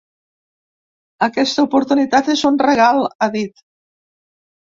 Aquesta oportunitat és un regal, ha dit.